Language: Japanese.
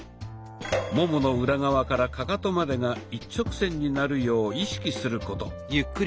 ももの裏側からカカトまでが一直線になるよう意識すること。